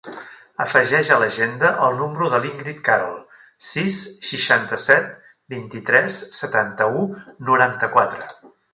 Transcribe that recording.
Afegeix a l'agenda el número de l'Íngrid Carol: sis, seixanta-set, vint-i-tres, setanta-u, noranta-quatre.